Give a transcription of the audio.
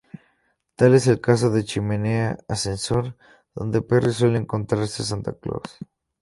Tal es el caso del chimenea ascensor, donde Perry suele encontrarse a Santa Claus.